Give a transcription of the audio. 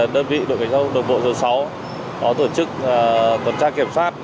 đơn vị đội cảnh sát đồng bộ số sáu tổ chức tuần tra kiểm soát